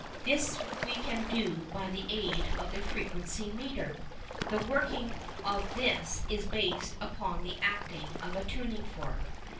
This we can do by the aid of a "frequency meter." The working of this is based upon the acting of a tuning fork.